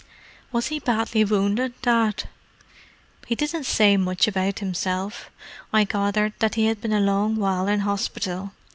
"Was he badly wounded, Dad?" "He didn't say much about himself. I gathered that he had been a long while in hospital.